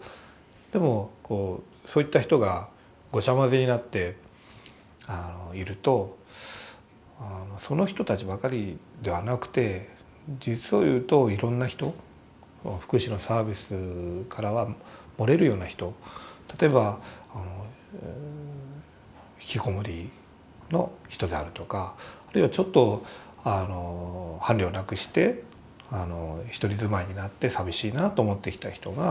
でもそういった人がごちゃまぜになっているとその人たちばかりではなくて実を言うといろんな人福祉のサービスからは漏れるような人例えば引きこもりの人であるとかあるいはちょっと伴侶を亡くして独り住まいになって寂しいなと思ってきた人が例えばやって来て。